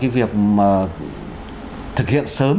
việc thực hiện sớm